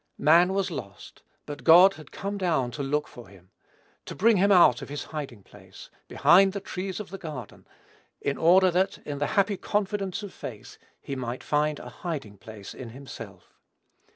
Man was lost; but God had come down to look for him to bring him out of his hiding place, behind the trees of the garden, in order that, in the happy confidence of faith, he might find a hiding place in himself.